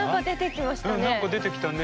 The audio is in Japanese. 何か出てきましたね。